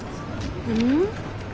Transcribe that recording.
うん？